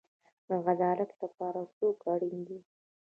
د عدالت لپاره څوک اړین دی؟